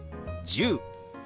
１０。